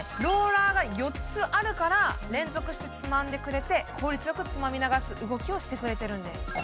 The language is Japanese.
ローラーが４つあるから連続してつまんでくれて効率よくつまみ流す動きをしてくれてるんです